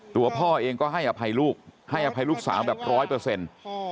ตัวพ่อเองก็ให้อภัยลูกให้อภัยลูกสาวแบบร้อยเปอร์เซ็นต์